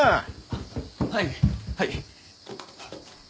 あっはいはい。